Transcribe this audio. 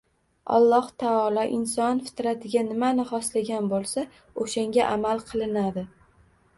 Alloh taolo inson fitratiga nimani xoslagan bo‘lsa, o‘shanga amal qilinadi.